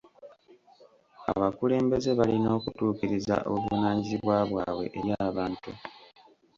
Abakulembeze balina okutuukiriza obuvunaanyizibwa bwabwe eri abantu.